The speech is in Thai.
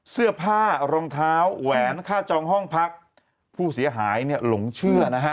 เสื้อผ้ารองเท้าแหวนค่าจองห้องพักผู้เสียหายเนี่ยหลงเชื่อนะฮะ